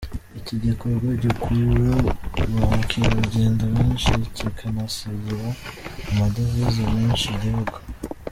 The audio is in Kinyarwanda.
Iki gikorwa gikurura ba mukerarugendo benshi, kikanasigira amadevize menshi igihugu.